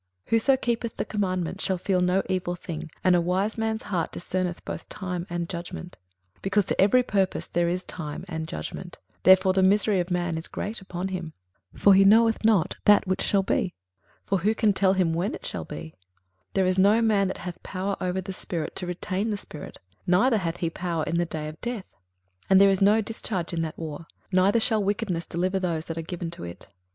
21:008:005 Whoso keepeth the commandment shall feel no evil thing: and a wise man's heart discerneth both time and judgment. 21:008:006 Because to every purpose there is time and judgment, therefore the misery of man is great upon him. 21:008:007 For he knoweth not that which shall be: for who can tell him when it shall be? 21:008:008 There is no man that hath power over the spirit to retain the spirit; neither hath he power in the day of death: and there is no discharge in that war; neither shall wickedness deliver those that are given to it.